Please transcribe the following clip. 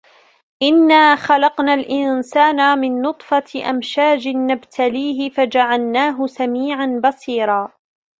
إِنَّا خَلَقْنَا الْإِنْسَانَ مِنْ نُطْفَةٍ أَمْشَاجٍ نَبْتَلِيهِ فَجَعَلْنَاهُ سَمِيعًا بَصِيرًا